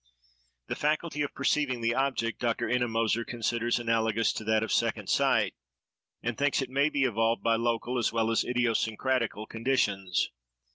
The faculty of perceiving the object, Dr. Ennemoser considers analogous to that of second sight, and thinks it may be evolved by local, as well as idiosyncratical conditions.